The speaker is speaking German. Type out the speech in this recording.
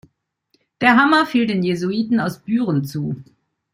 Der Hammer fiel den Jesuiten aus Büren zu.